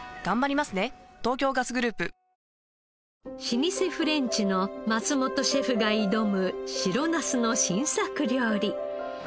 老舗フレンチの松本シェフが挑む白ナスの新作料理。